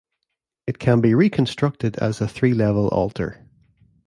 It can be reconstructed as a three-level altar.